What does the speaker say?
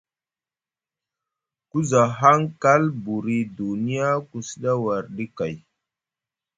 Ku za hangal buri dunya ku sɗa warɗi kay.